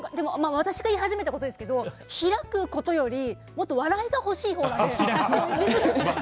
私が言い始めたことですけれども開くことよりももっと笑いが欲しいので。